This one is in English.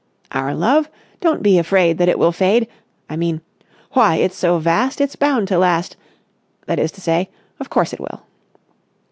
"Our love? Don't be afraid that it will fade ... I mean ... why, it's so vast, it's bound to last ... that is to say, of course it will."